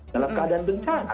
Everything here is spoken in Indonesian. dalam keadaan bencana